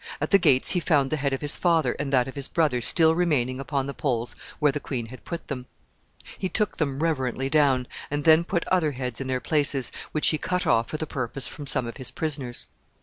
At the gates he found the head of his father and that of his brother still remaining upon the poles where the queen had put them. He took them reverently down, and then put other heads in their places, which he cut off for the purpose from some of his prisoners.